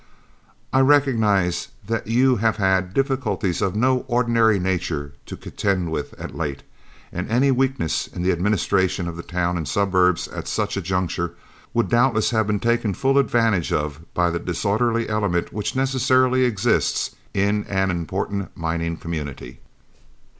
"I recognise that you have had DIFFICULTIES OF NO ORDINARY NATURE TO CONTEND WITH OF LATE, and any weakness in the administration of the town and suburbs at such a juncture would doubtless have been taken full advantage of by the disorderly element which necessarily exists in an important mining community.